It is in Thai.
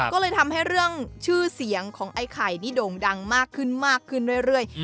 ก็เลยทำให้เรื่องชื่อเสียงของไอ้ไข่นี่โด่งดังมากขึ้นมากขึ้นเรื่อย